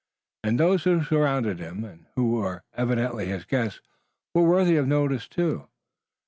And those who surrounded him and who were evidently his guests were worthy of notice too.